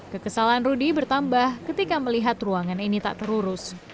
kekesalan rudy bertambah ketika melihat ruangan ini tak terurus